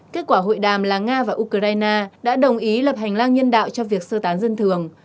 kết quả hội đàm là nga và ukraine đã đồng ý lập hành lang nhân đạo cho việc sơ tán dân thường